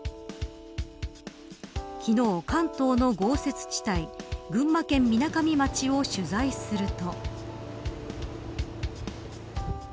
昨日、関東の豪雪地帯群馬県みなかみ町を取材すると。